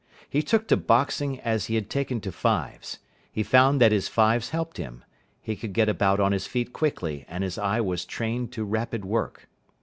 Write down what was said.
He took to boxing as he had taken to fives. He found that his fives helped him. He could get about on his feet quickly, and his eye was trained to rapid work.